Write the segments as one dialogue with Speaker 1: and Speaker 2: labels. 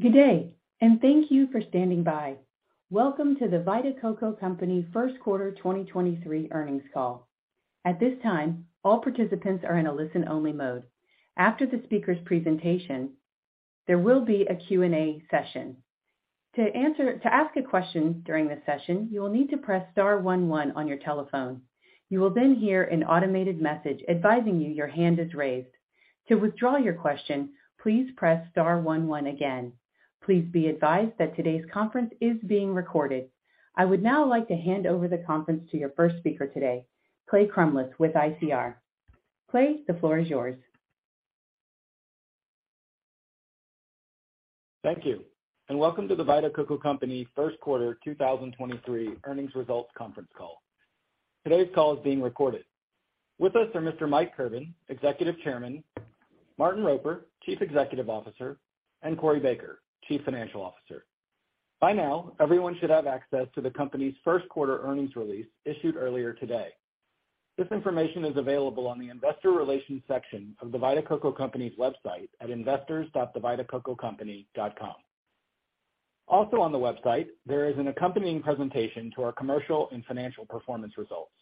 Speaker 1: Good day, and thank you for standing by. Welcome to The Vita Coco Company First Quarter 2023 Earnings Call. At this time, all participants are in a listen-only mode. After the speaker's presentation, there will be a Q&A session. To ask a question during the session, you will need to press star one one on your telephone. You will then hear an automated message advising you your hand is raised. To withdraw your question, please press star one one again. Please be advised that today's conference is being recorded. I would now like to hand over the conference to your first speaker today, Clay Crumbliss with ICR. Clay, the floor is yours.
Speaker 2: Thank you. Welcome to The Vita Coco Company First Quarter 2023 Earnings Results Conference Call. Today's call is being recorded. With us are Mr. Mike Kirban, Executive Chairman, Martin Roper, Chief Executive Officer, and Corey Baker, Chief Financial Officer. By now, everyone should have access to the company's first quarter earnings release issued earlier today. This information is available on the Investor Relations section of The Vita Coco Company's website at investors.thevitacococompany.com. On the website, there is an accompanying presentation to our commercial and financial performance results.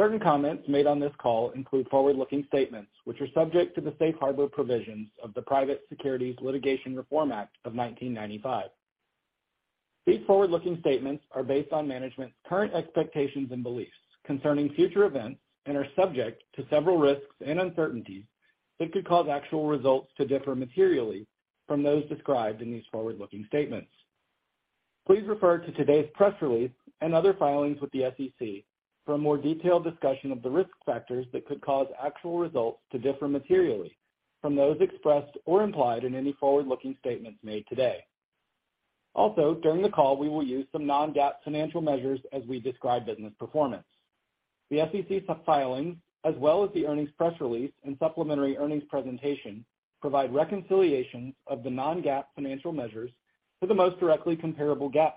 Speaker 2: Certain comments made on this call include forward-looking statements, which are subject to the safe harbor provisions of the Private Securities Litigation Reform Act of 1995. These forward-looking statements are based on management's current expectations and beliefs concerning future events and are subject to several risks and uncertainties that could cause actual results to differ materially from those described in these forward-looking statements. Please refer to today's press release and other filings with the SEC for a more detailed discussion of the risk factors that could cause actual results to differ materially from those expressed or implied in any forward-looking statements made today. During the call, we will use some non-GAAP financial measures as we describe business performance. The SEC filings as well as the earnings press release and supplementary earnings presentation provide reconciliations of the non-GAAP financial measures to the most directly comparable GAAP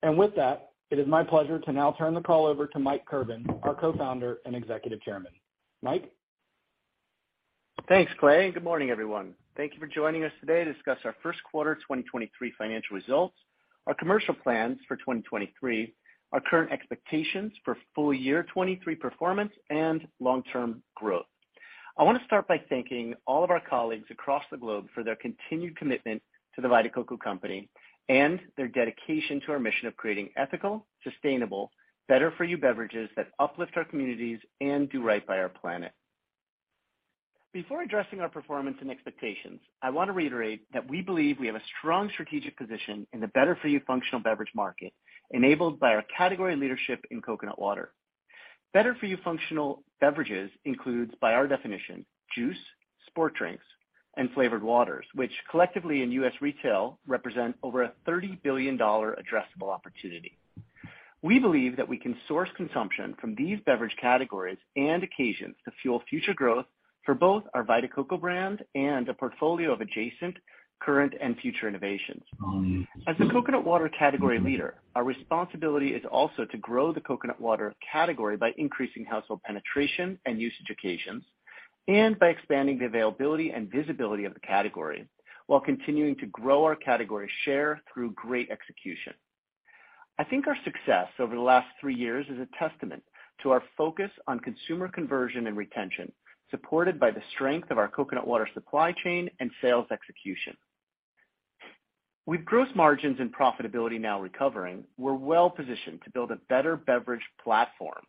Speaker 2: measures and are available on our website as well. With that, it is my pleasure to now turn the call over to Mike Kirban, our Co-founder and Executive Chairman. Mike?
Speaker 3: Thanks, Clay, good morning, everyone. Thank you for joining us today to discuss our First Quarter 2023 Financial Results, our commercial plans for 2023, our current expectations for full year 2023 performance, and long-term growth. I want to start by thanking all of our colleagues across the globe for their continued commitment to The Vita Coco Company and their dedication to our mission of creating ethical, sustainable, better for you beverages that uplift our communities and do right by our planet. Before addressing our performance and expectations, I want to reiterate that we believe we have a strong strategic position in the better for you functional beverage market enabled by our category leadership in coconut water. Better for you functional beverages includes, by our definition, juice, sport drinks, and flavored waters, which collectively in U.S. retail represent over a $30 billion addressable opportunity. We believe that we can source consumption from these beverage categories and occasions to fuel future growth for both our Vita Coco brand and a portfolio of adjacent current and future innovations. As the coconut water category leader, our responsibility is also to grow the coconut water category by increasing household penetration and usage occasions, and by expanding the availability and visibility of the category while continuing to grow our category share through great execution. I think our success over the last three years is a testament to our focus on consumer conversion and retention, supported by the strength of our coconut water supply chain and sales execution. With gross margins and profitability now recovering, we're well-positioned to build a better beverage platform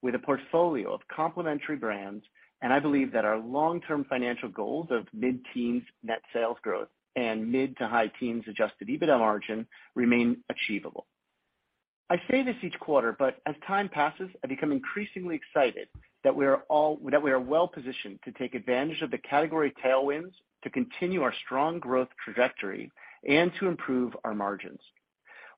Speaker 3: with a portfolio of complementary brands. I believe that our long-term financial goals of mid-teens net sales growth and mid to high teens adjusted EBITDA margin remain achievable. I say this each quarter, but as time passes, I become increasingly excited that we are well positioned to take advantage of the category tailwinds to continue our strong growth trajectory and to improve our margins.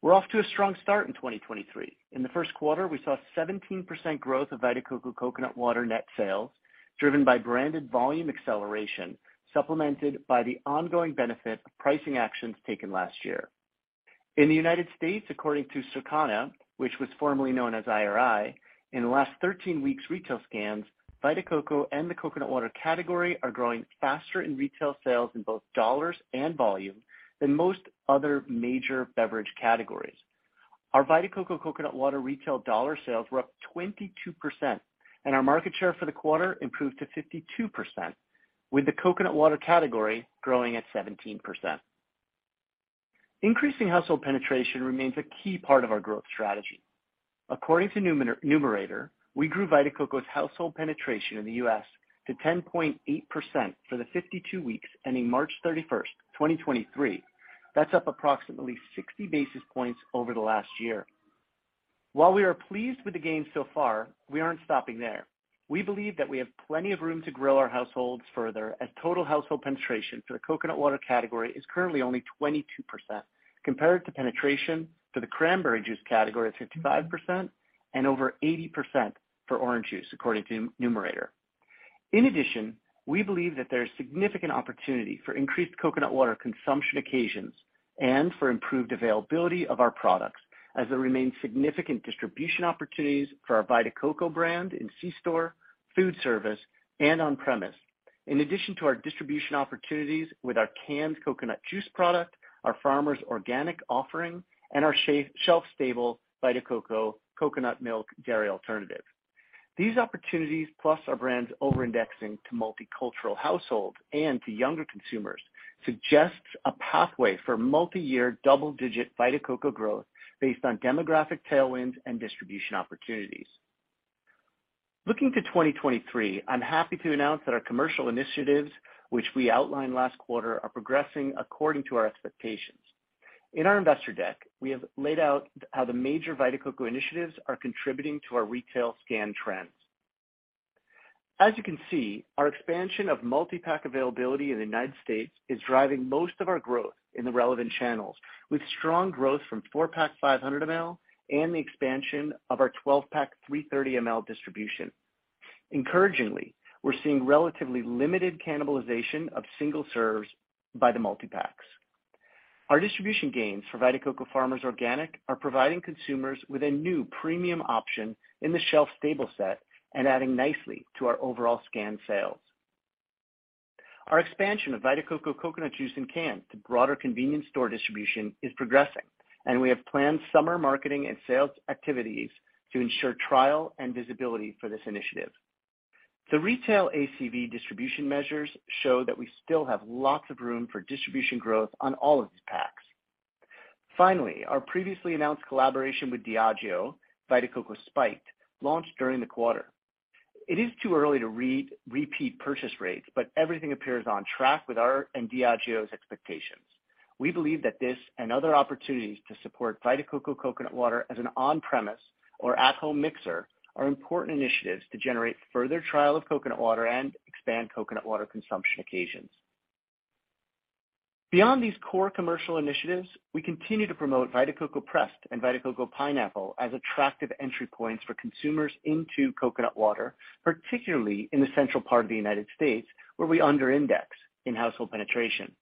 Speaker 3: We're off to a strong start in 2023. In the first quarter, we saw 17% growth of Vita Coco coconut water net sales, driven by branded volume acceleration, supplemented by the ongoing benefit of pricing actions taken last year. In the U.S., according to Circana, which was formerly known as IRI, in the last 13 weeks retail scans, Vita Coco and the coconut water category are growing faster in retail sales in both dollars and volume than most other major beverage categories. Our Vita Coco coconut water retail dollar sales were up 22%, and our market share for the quarter improved to 52%, with the coconut water category growing at 17%. Increasing household penetration remains a key part of our growth strategy. According to Numerator, we grew Vita Coco's household penetration in the U.S. to 10.8% for the 52 weeks ending March 31st, 2023. That's up approximately 60 basis points over the last year. While we are pleased with the gains so far, we aren't stopping there. We believe that we have plenty of room to grow our households further as total household penetration for the coconut water category is currently only 22%, compared to penetration for the cranberry juice category of 55% and over 80% for orange juice, according to Numerator. In addition, we believe that there's significant opportunity for increased coconut water consumption occasions and for improved availability of our products as there remains significant distribution opportunities for our Vita Coco brand in C-store, food service, and on-premise. In addition to our distribution opportunities with our canned coconut juice product, our Farmers Organic offering, and our shelf stable Vita Coco coconut milk dairy alternative. These opportunities plus our brands over-indexing to multicultural households and to younger consumers, suggests a pathway for multiyear double-digit Vita Coco growth based on demographic tailwinds and distribution opportunities. Looking to 2023, I'm happy to announce that our commercial initiatives, which we outlined last quarter, are progressing according to our expectations. In our investor deck, we have laid out how the major Vita Coco initiatives are contributing to our retail scan trends. As you can see, our expansion of multi-pack availability in the United States is driving most of our growth in the relevant channels with strong growth from four-pack 500 ml and the expansion of our 12-pack 330 ml distribution. Encouragingly, we're seeing relatively limited cannibalization of single serves by the multi-packs. Our distribution gains for Vita Coco Farmers Organic are providing consumers with a new premium option in the shelf stable set and adding nicely to our overall scan sales. Our expansion of Vita Coco Coconut Juice in cans to broader convenience store distribution is progressing. We have planned summer marketing and sales activities to ensure trial and visibility for this initiative. The retail ACV distribution measures show that we still have lots of room for distribution growth on all of these packs. Our previously announced collaboration with Diageo, Vita Coco Spiked, launched during the quarter. It is too early to read repeat purchase rates. Everything appears on track with our and Diageo's expectations. We believe that this and other opportunities to support Vita Coco coconut water as an on-premise or at-home mixer are important initiatives to generate further trial of coconut water and expand coconut water consumption occasions. Beyond these core commercial initiatives, we continue to promote Vita Coco Pressed and Vita Coco Pineapple as attractive entry points for consumers into coconut water, particularly in the central part of the United States, where we under-index in household penetration.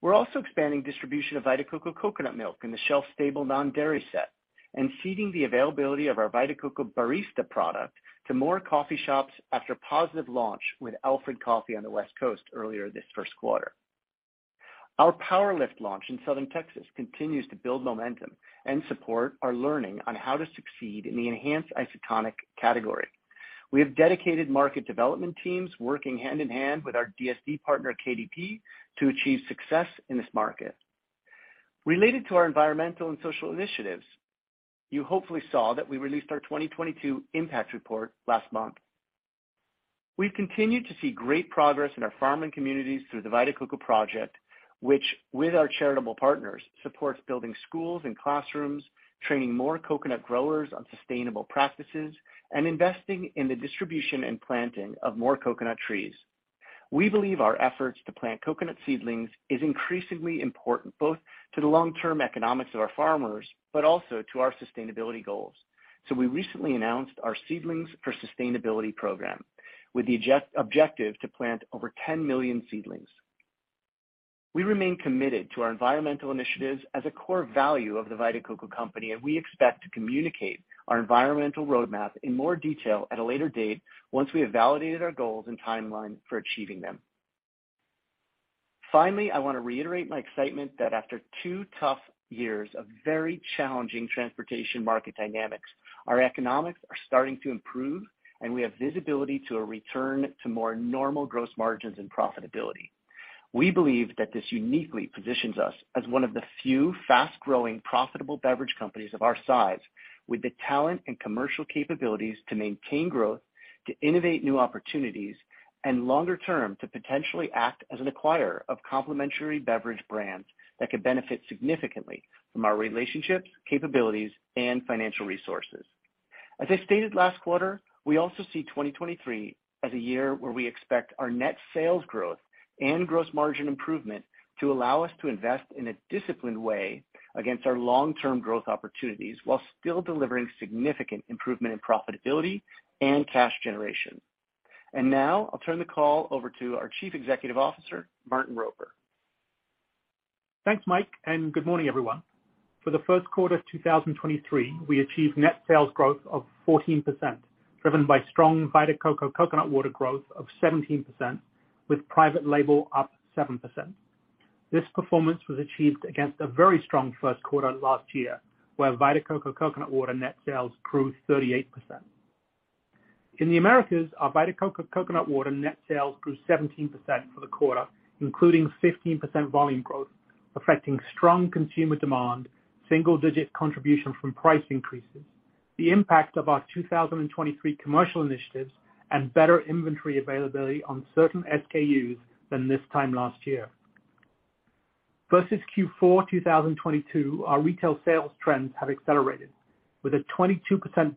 Speaker 3: We're also expanding distribution of Vita Coco Coconut MLK in the shelf-stable non-dairy set and seeding the availability of our Vita Coco Barista product to more coffee shops after a positive launch with Alfred Coffee on the West Coast earlier this first quarter. Our PWR Lift launch in southern Texas continues to build momentum and support our learning on how to succeed in the enhanced isotonic category. We have dedicated market development teams working hand-in-hand with our DSD partner, KDP, to achieve success in this market. Related to our environmental and social initiatives, you hopefully saw that we released our 2022 impact report last month. We've continued to see great progress in our farming communities through the Vita Coco Project, which with our charitable partners, supports building schools and classrooms, training more coconut growers on sustainable practices, and investing in the distribution and planting of more coconut trees. We believe our efforts to plant coconut seedlings is increasingly important, both to the long-term economics of our farmers, but also to our sustainability goals. We recently announced our Seedlings for Sustainability program with the objective to plant over 10 million seedlings. We remain committed to our environmental initiatives as a core value of The Vita Coco Company, and we expect to communicate our environmental roadmap in more detail at a later date once we have validated our goals and timeline for achieving them. Finally, I want to reiterate my excitement that after two tough years of very challenging transportation market dynamics, our economics are starting to improve, and we have visibility to a return to more normal gross margins and profitability. We believe that this uniquely positions us as one of the few fast-growing, profitable beverage companies of our size with the talent and commercial capabilities to maintain growth, to innovate new opportunities, and longer term, to potentially act as an acquirer of complementary beverage brands that could benefit significantly from our relationships, capabilities, and financial resources. As I stated last quarter, we also see 2023 as a year where we expect our net sales growth and gross margin improvement to allow us to invest in a disciplined way against our long-term growth opportunities while still delivering significant improvement in profitability and cash generation. Now I'll turn the call over to our Chief Executive Officer, Martin Roper.
Speaker 4: Thanks, Mike. Good morning, everyone. For the first quarter of 2023, we achieved net sales growth of 14%, driven by strong Vita Coco coconut water growth of 17%, with private label up 7%. This performance was achieved against a very strong first quarter last year, where Vita Coco coconut water net sales grew 38%. In the Americas, our Vita Coco coconut water net sales grew 17% for the quarter, including 15% volume growth, affecting strong consumer demand, single-digit contribution from price increases, the impact of our 2023 commercial initiatives, and better inventory availability on certain SKUs than this time last year. Versus Q4 2022, our retail sales trends have accelerated with a 22%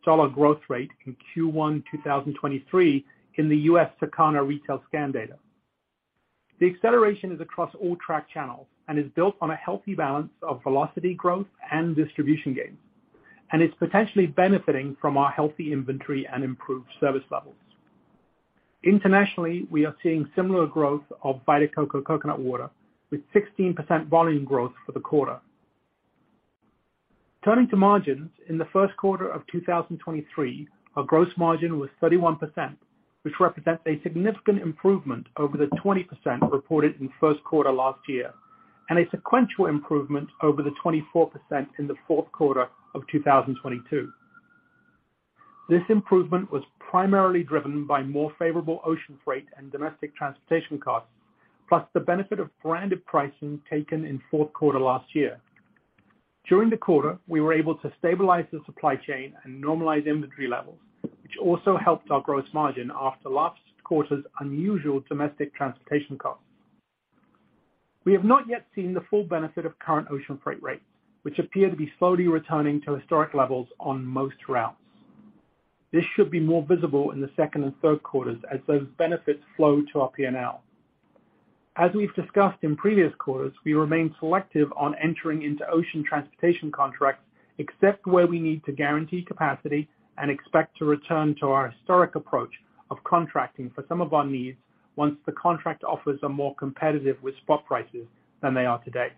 Speaker 4: dollar growth rate in Q12023 in the U.S. Circana retail scan data. The acceleration is across all track channels and is built on a healthy balance of velocity growth and distribution gains. It's potentially benefiting from our healthy inventory and improved service levels. Internationally, we are seeing similar growth of Vita Coco coconut water with 16% volume growth for the quarter. Turning to margins, in the first quarter of 2023, our gross margin was 31%, which represents a significant improvement over the 20% reported in first quarter last year, a sequential improvement over the 24% in the fourth quarter of 2022. This improvement was primarily driven by more favorable ocean freight and domestic transportation costs, plus the benefit of branded pricing taken in fourth quarter last year. During the quarter, we were able to stabilize the supply chain and normalize inventory levels, which also helped our gross margin after last quarter's unusual domestic transportation costs. We have not yet seen the full benefit of current ocean freight rates, which appear to be slowly returning to historic levels on most routes. This should be more visible in the second and third quarters as those benefits flow to our P&L. As we've discussed in previous quarters, we remain selective on entering into ocean transportation contracts except where we need to guarantee capacity and expect to return to our historic approach of contracting for some of our needs once the contract offers are more competitive with spot prices than they are today.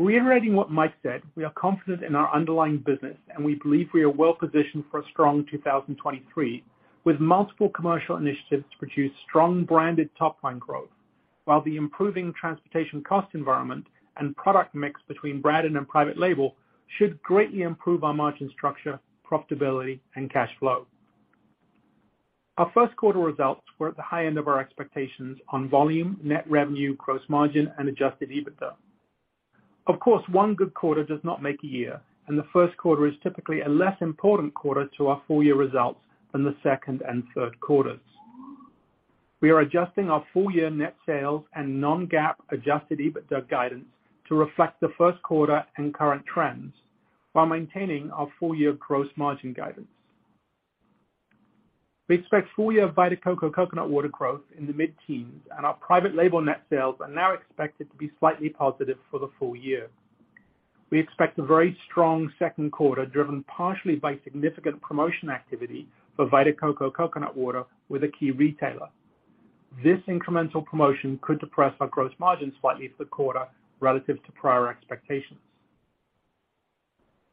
Speaker 4: Reiterating what Mike said, we are confident in our underlying business and we believe we are well-positioned for a strong 2023 with multiple commercial initiatives to produce strong branded top line growth, while the improving transportation cost environment and product mix between branded and private label should greatly improve our margin structure, profitability and cash flow. Our first quarter results were at the high end of our expectations on volume, net revenue, gross margin, and adjusted EBITDA. Of course, one good quarter does not make a year, and the first quarter is typically a less important quarter to our full year results than the second and third quarters. We are adjusting our full year net sales and non-GAAP adjusted EBITDA guidance to reflect the first quarter and current trends while maintaining our full year gross margin guidance. We expect full year Vita Coco coconut water growth in the mid-teens and our private label net sales are now expected to be slightly positive for the full year. We expect a very strong second quarter driven partially by significant promotion activity for Vita Coco coconut water with a key retailer. This incremental promotion could depress our gross margin slightly for the quarter relative to prior expectations.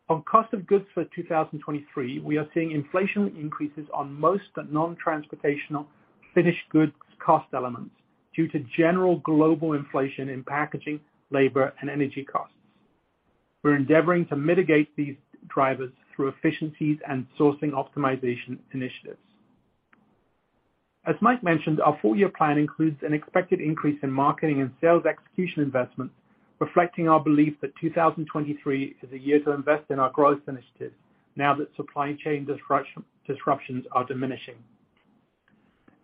Speaker 4: On cost of goods for 2023, we are seeing inflationary increases on most but non-transportational finished goods cost elements due to general global inflation in packaging, labor, and energy costs. We're endeavoring to mitigate these drivers through efficiencies and sourcing optimization initiatives. As Mike mentioned, our full year plan includes an expected increase in marketing and sales execution investments, reflecting our belief that 2023 is a year to invest in our growth initiatives now that supply chain disruptions are diminishing.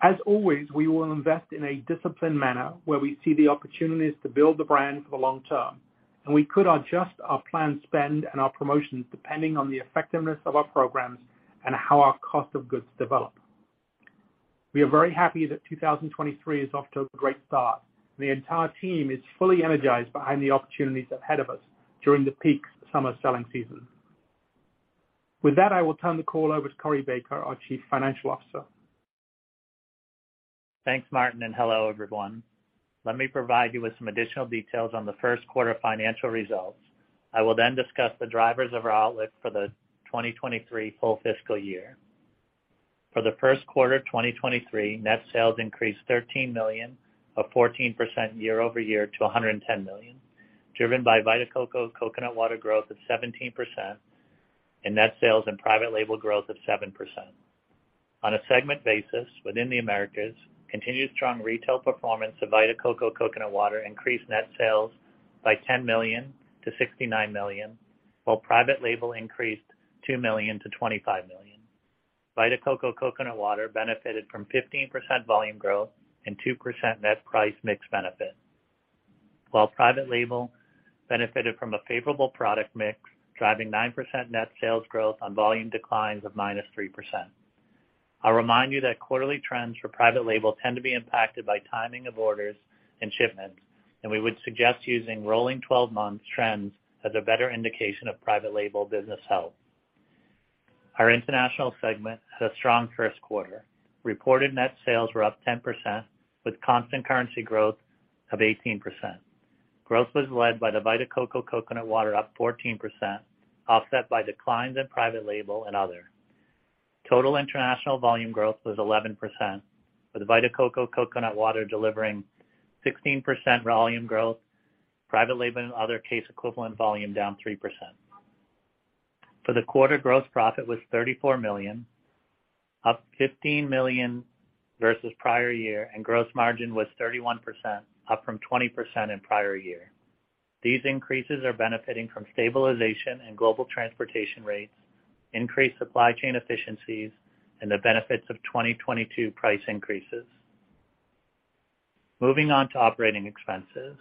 Speaker 4: As always, we will invest in a disciplined manner where we see the opportunities to build the brand for the long term, and we could adjust our planned spend and our promotions depending on the effectiveness of our programs and how our cost of goods develop. We are very happy that 2023 is off to a great start. The entire team is fully energized behind the opportunities ahead of us during the peak summer selling season. With that, I will turn the call over to Corey Baker, our Chief Financial Officer.
Speaker 5: Thanks, Martin. Hello, everyone. Let me provide you with some additional details on the first quarter financial results. I will then discuss the drivers of our outlook for the 2023 full fiscal year. For the first quarter of 2023, net sales increased $13 million or 14% year-over-year to $110 million, driven by Vita Coco coconut water growth of 17% and net sales and private label growth of 7%. On a segment basis, within the Americas, continued strong retail performance of Vita Coco coconut water increased net sales by $10 million to $69 million, while private label increased $2 million to $25 million. Vita Coco coconut water benefited from 15% volume growth and 2% net price mix benefit. While private label benefited from a favorable product mix, driving 9% net sales growth on volume declines of -3%. I'll remind you that quarterly trends for private label tend to be impacted by timing of orders and shipments, and we would suggest using rolling 12 months trends as a better indication of private label business health. Our international segment had a strong first quarter. Reported net sales were up 10% with constant currency growth of 18%. Growth was led by the Vita Coco coconut water up 14%, offset by declines in private label and other. Total international volume growth was 11%, with the Vita Coco coconut water delivering 16% volume growth, private label and other case equivalent volume down 3%. For the quarter, gross profit was $34 million, up $15 million versus prior year. Gross margin was 31%, up from 20% in prior year. These increases are benefiting from stabilization in global transportation rates, increased supply chain efficiencies, and the benefits of 2022 price increases. Moving on to operating expenses.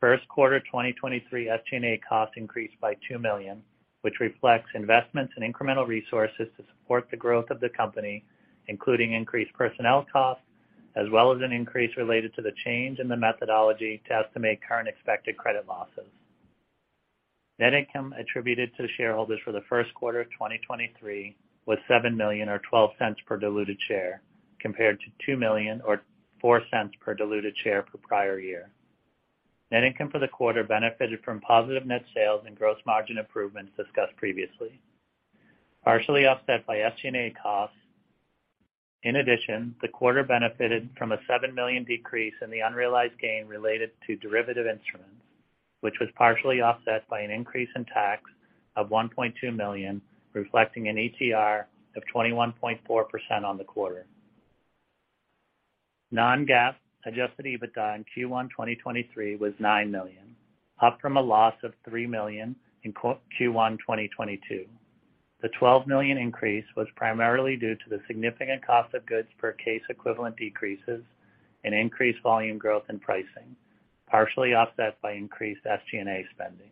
Speaker 5: First quarter 2023 SG&A costs increased by $2 million, which reflects investments in incremental resources to support the growth of the company, including increased personnel costs as well as an increase related to the change in the methodology to estimate current expected credit losses. Net income attributed to shareholders for the first quarter of 2023 was $7 million or $0.12 per diluted share. Compared to $2 million or $0.04 per diluted share for prior year. Net income for the quarter benefited from positive net sales and gross margin improvements discussed previously, partially offset by SG&A costs. In addition, the quarter benefited from a $7 million decrease in the unrealized gain related to derivative instruments, which was partially offset by an increase in tax of $1.2 million, reflecting an ETR of 21.4% on the quarter. Non-GAAP adjusted EBITDA in Q1, 2023 was $9 million, up from a loss of $3 million in Q1, 2022. The $12 million increase was primarily due to the significant cost of goods per case equivalent decreases and increased volume growth in pricing, partially offset by increased SG&A spending.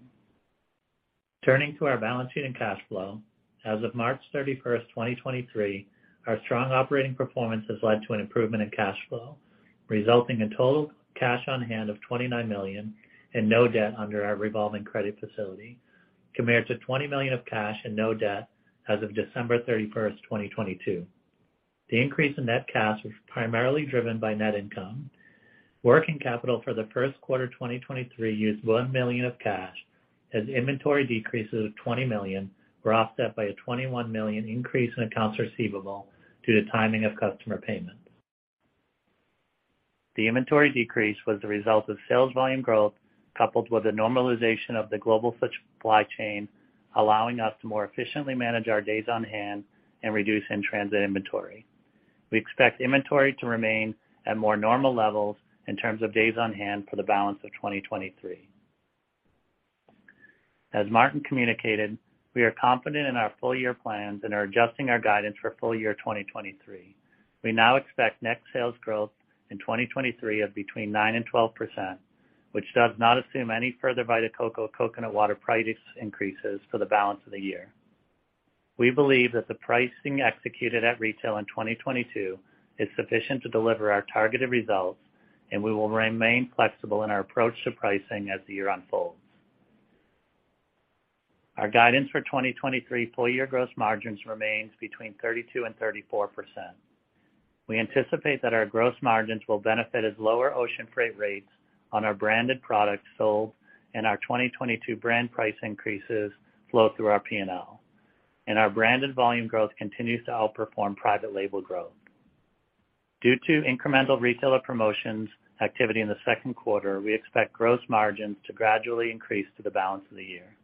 Speaker 5: Turning to our balance sheet and cash flow. As of March 31, 2023, our strong operating performance has led to an improvement in cash flow, resulting in total cash on hand of $29 million and no debt under our revolving credit facility, compared to $20 million of cash and no debt as of December 31, 2022. The increase in net cash was primarily driven by net income. Working capital for the first quarter 2023 used $1 million of cash as inventory decreases of $20 million were offset by a $21 million increase in accounts receivable due to timing of customer payments. The inventory decrease was the result of sales volume growth, coupled with the normalization of the global supply chain, allowing us to more efficiently manage our days on hand and reduce in-transit inventory. We expect inventory to remain at more normal levels in terms of days on hand for the balance of 2023. As Martin communicated, we are confident in our full year plans and are adjusting our guidance for full year 2023. We now expect net sales growth in 2023 of between 9% and 12%, which does not assume any further Vita Coco coconut water price increases for the balance of the year. We believe that the pricing executed at retail in 2022 is sufficient to deliver our targeted results, and we will remain flexible in our approach to pricing as the year unfolds. Our guidance for 2023 full year gross margins remains between 32% and 34%. We anticipate that our gross margins will benefit as lower ocean freight rates on our branded products sold and our 2022 brand price increases flow through our P&L, and our branded volume growth continues to outperform private label growth. Due to incremental retailer promotions activity in the second quarter, we expect gross margins to gradually increase to the balance of the year.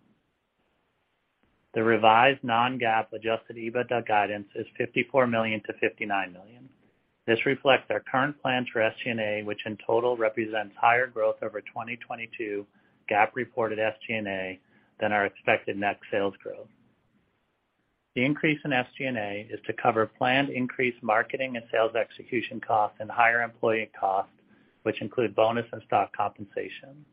Speaker 5: The revised non-GAAP adjusted EBITDA guidance is $54 million-$59 million. This reflects our current plan for SG&A, which in total represents higher growth over 2022 GAAP reported SG&A than our expected net sales growth. The increase in SG&A is to cover planned increased marketing and sales execution costs and higher employee costs, which include bonus and stock compensation.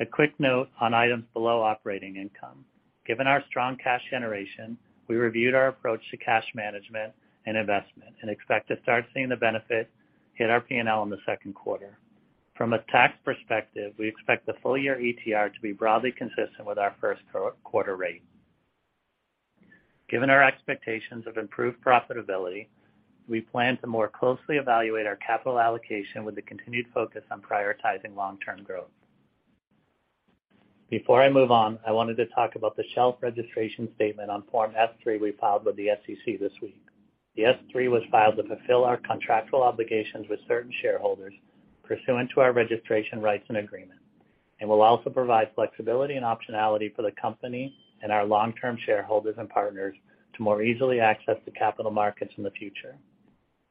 Speaker 5: A quick note on items below operating income. Given our strong cash generation, we reviewed our approach to cash management and investment and expect to start seeing the benefit hit our P&L in the second quarter. From a tax perspective, we expect the full year ETR to be broadly consistent with our first quarter rate. Given our expectations of improved profitability, we plan to more closely evaluate our capital allocation with the continued focus on prioritizing long term growth. Before I move on, I wanted to talk about the shelf registration statement on Form S-3 we filed with the SEC this week. The S-3 was filed to fulfill our contractual obligations with certain shareholders pursuant to our registration rights and agreement, and will also provide flexibility and optionality for the company and our long-term shareholders and partners to more easily access the capital markets in the future.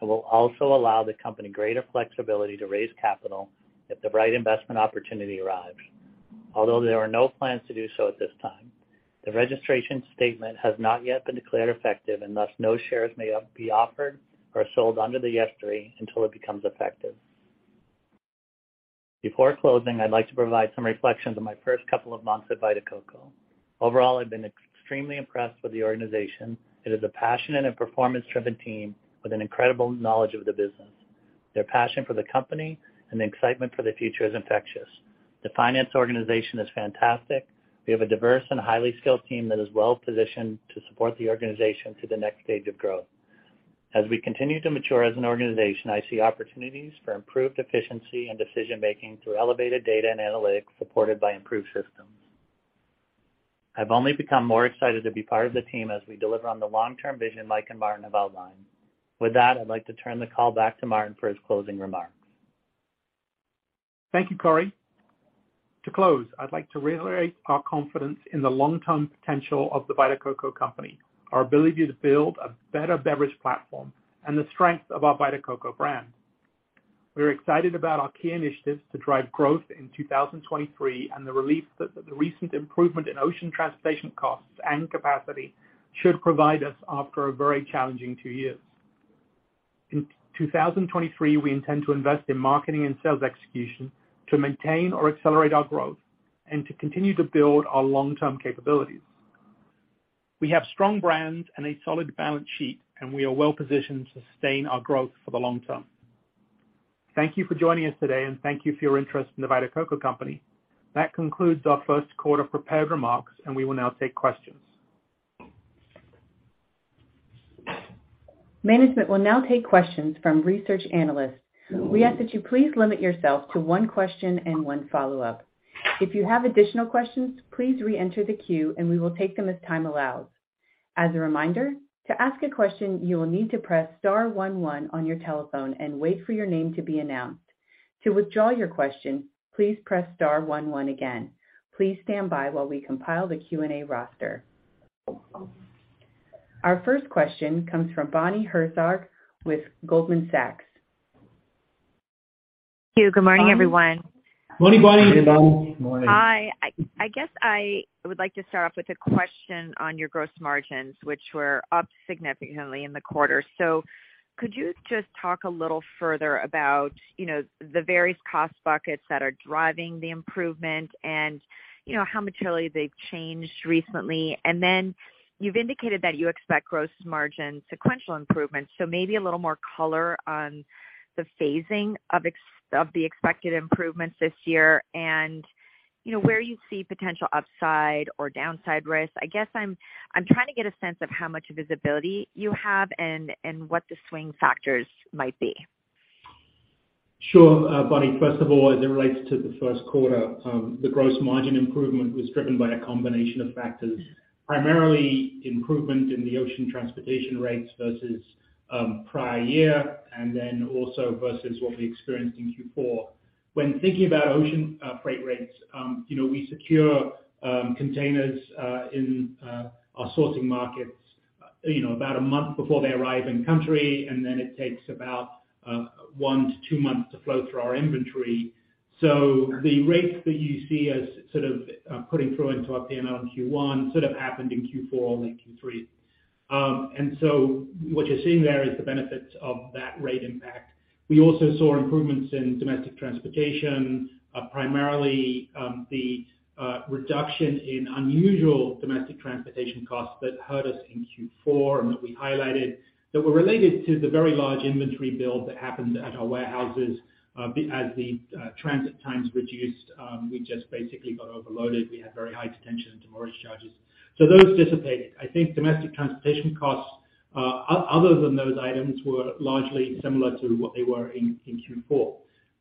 Speaker 5: It will also allow the company greater flexibility to raise capital if the right investment opportunity arrives. Although there are no plans to do so at this time, the registration statement has not yet been declared effective, and thus no shares may be offered or sold under the S-3 until it becomes effective. Before closing, I'd like to provide some reflections on my first couple of months at Vita Coco. Overall, I've been extremely impressed with the organization. It is a passionate and performance driven team with an incredible knowledge of the business. Their passion for the company and the excitement for the future is infectious. The finance organization is fantastic. We have a diverse and highly skilled team that is well positioned to support the organization through the next stage of growth. As we continue to mature as an organization, I see opportunities for improved efficiency and decision making through elevated data and analytics supported by improved systems. I've only become more excited to be part of the team as we deliver on the long term vision Mike and Martin have outlined. With that, I'd like to turn the call back to Martin for his closing remarks.
Speaker 4: Thank you, Corey. To close, I'd like to reiterate our confidence in the long-term potential of The Vita Coco Company, our ability to build a better beverage platform, and the strength of our Vita Coco brand. We are excited about our key initiatives to drive growth in 2023 and the relief that the recent improvement in ocean transportation costs and capacity should provide us after a very challenging two years. In 2023, we intend to invest in marketing and sales execution to maintain or accelerate our growth and to continue to build our long-term capabilities. We have strong brands and a solid balance sheet. We are well positioned to sustain our growth for the long-term. Thank you for joining us today, and thank you for your interest in The Vita Coco Company. That concludes our first quarter prepared remarks, and we will now take questions.
Speaker 1: Management will now take questions from Research Analysts. We ask that you please limit yourself to one question and one follow-up. If you have additional questions, please re-enter the queue and we will take them as time allows. As a reminder, to ask a question you will need to press star one one on your telephone and wait for your name to be announced. To withdraw your question, please press star one one again. Please stand by while we compile the Q&A roster. Our first question comes from Bonnie Herzog with Goldman Sachs.
Speaker 6: Thank you. Good morning, everyone.
Speaker 4: Morning, Bonnie.
Speaker 3: Morning, Bonnie.
Speaker 5: Morning.
Speaker 6: Hi. I guess I would like to start off with a question on your gross margins, which were up significantly in the quarter. Could you just talk a little further about, you know, the various cost buckets that are driving the improvement and, you know, how materially they've changed recently? Then you've indicated that you expect gross margin sequential improvements, maybe a little more color on the phasing of the expected improvements this year and, you know, where you see potential upside or downside risks. I guess I'm trying to get a sense of how much visibility you have and what the swing factors might be.
Speaker 4: Sure, Bonnie. First of all, as it relates to the first quarter, the gross margin improvement was driven by a combination of factors, primarily improvement in the ocean transportation rates versus prior year and then also versus what we experienced in Q4. When thinking about ocean freight rates, you know, we secure containers in our sourcing markets, you know, about a month before they arrive in country, and then it takes about one to two months to flow through our inventory. The rates that you see as sort of putting through into our P&L in Q1 sort of happened in Q4 or late Q3. What you're seeing there is the benefits of that rate impact. We also saw improvements in domestic transportation, primarily, the reduction in unusual domestic transportation costs that hurt us in Q4 and that we highlighted that were related to the very large inventory build that happened at our warehouses. As the transit times reduced, we just basically got overloaded. We had very high detention and storage charges. Those dissipated. I think domestic transportation costs, other than those items, were largely similar to what they were in Q4.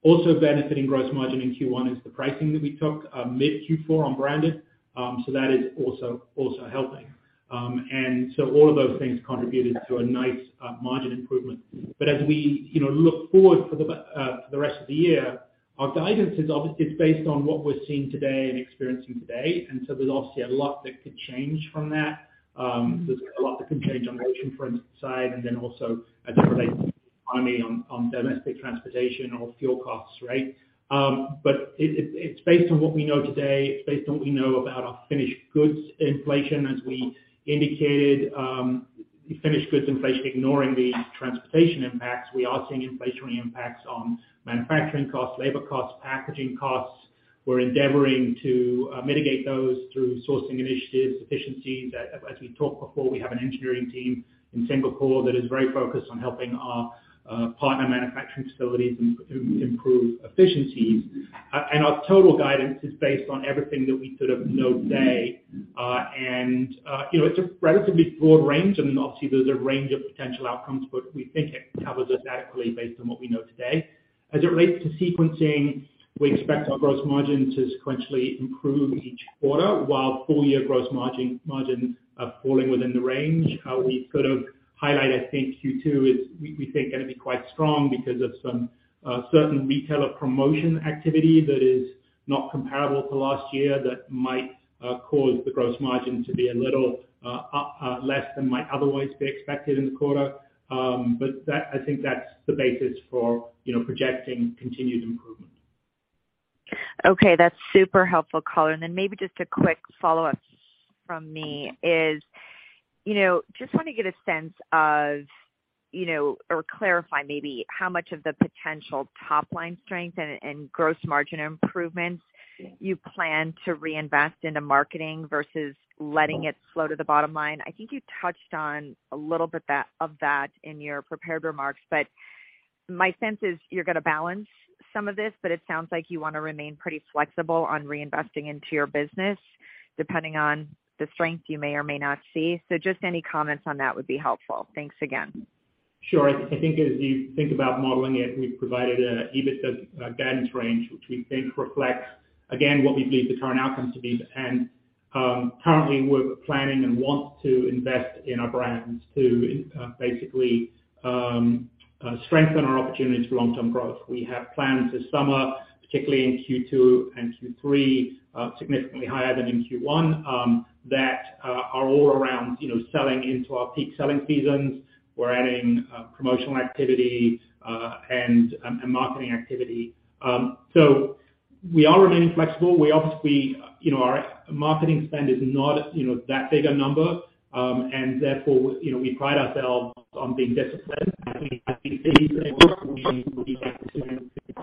Speaker 4: Also benefiting gross margin in Q1 is the pricing that we took, mid-Q4 on branded. That is also helping. All of those things contributed to a nice, margin improvement. As we, you know, look forward for the rest of the year, our guidance is obviously it's based on what we're seeing today and experiencing today. There's obviously a lot that could change from that. There's a lot that can change on the ocean front side. Then also as it relates to the economy on domestic transportation or fuel costs, right? It's based on what we know today. It's based on what we know about our finished goods inflation. As we indicated, finished goods inflation, ignoring the transportation impacts, we are seeing inflationary impacts on manufacturing costs, labor costs, packaging costs. We're endeavoring to mitigate those through sourcing initiatives, efficiencies. As we talked before, we have an engineering team in Singapore that is very focused on helping our partner manufacturing facilities improve efficiencies. Our total guidance is based on everything that we sort of know today. You know, it's a relatively broad range, and obviously there's a range of potential outcomes, but we think it covers us adequately based on what we know today. As it relates to sequencing, we expect our gross margin to sequentially improve each quarter while full year gross margin are falling within the range. How we sort of highlight, I think Q2 is we think gonna be quite strong because of some certain retailer promotion activity that is not comparable to last year that might cause the gross margin to be a little less than might otherwise be expected in the quarter. That's the basis for, you know, projecting continued improvement.
Speaker 6: Okay, that's super helpful color. Then maybe just a quick follow-up from me is, you know, just want to get a sense of, you know, or clarify maybe how much of the potential top line strength and gross margin improvements you plan to reinvest into marketing versus letting it flow to the bottom line. I think you touched on a little bit of that in your prepared remarks, but my sense is you're gonna balance some of this, but it sounds like you wanna remain pretty flexible on reinvesting into your business depending on the strength you may or may not see. Just any comments on that would be helpful. Thanks again.
Speaker 4: Sure. I think as you think about modeling it, we've provided a EBITDA guidance range, which we think reflects, again, what we believe the current outcomes to be. Currently we're planning and want to invest in our brands to basically strengthen our opportunities for long-term growth. We have plans this summer, particularly in Q2 and Q3, significantly higher than in Q1, that are all around, you know, selling into our peak selling seasons. We're adding promotional activity and marketing activity. We are remaining flexible. We obviously, you know, our marketing spend is not, you know, that big a number, therefore, you know, we pride ourselves on being disciplined. I think as we see things that work, we like to,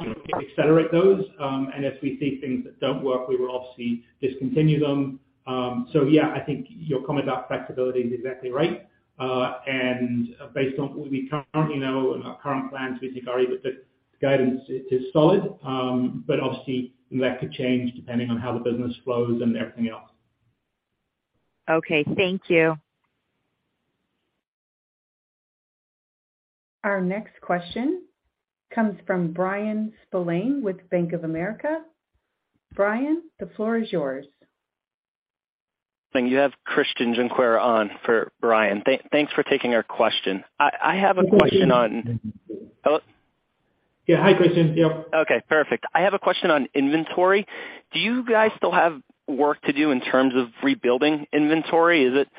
Speaker 4: you know, accelerate those. As we see things that don't work, we will obviously discontinue them. Yeah, I think your comment about flexibility is exactly right. Based on what we currently know and our current plans, we think our the guidance is solid. Obviously that could change depending on how the business flows and everything else.
Speaker 6: Okay, thank you.
Speaker 1: Our next question comes from Bryan Spillane with Bank of America. Brian, the floor is yours.
Speaker 7: You have Christian Junqueira on for Bryan. Thanks for taking our question. I have a question on-
Speaker 4: Yeah. Hi, Christian. Yeah.
Speaker 8: Okay, perfect. I have a question on inventory. Do you guys still have work to do in terms of rebuilding inventory? Is it